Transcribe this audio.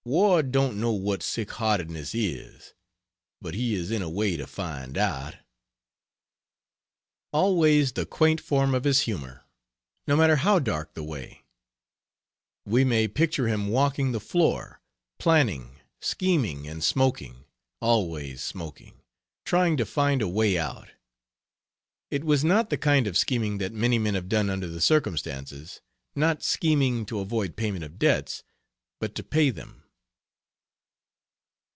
Ward don't know what sick heartedness is but he is in a way to find out." Always the quaint form of his humor, no matter how dark the way. We may picture him walking the floor, planning, scheming, and smoking always smoking trying to find a way out. It was not the kind of scheming that many men have done under the circumstances; not scheming to avoid payment of debts, but to pay them.